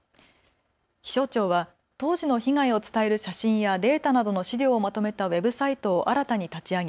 気象庁は当時の被害を伝える写真やデータなどの資料をまとめたウェブサイトを新たに立ち上げ